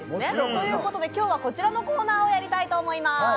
ということで今日はこちらのコーナーをやりたいと思います。